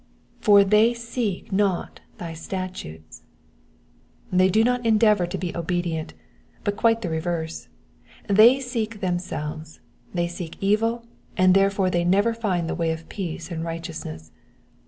'^''For they seek not thy statutes,''^ They do not endeavour to be obedient, but quite the reverse ; they seek themselves, they seek evil, apd therefore they never find the way of peace and righteousness.